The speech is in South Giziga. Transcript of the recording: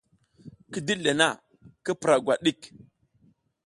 Ki diɗ le na, ki pura gwat ɗik !